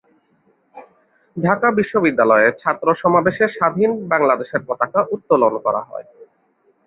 ঢাকা বিশ্ববিদ্যালয়ে ছাত্র সমাবেশে স্বাধীন বাংলাদেশের পতাকা উত্তোলন করা হয়।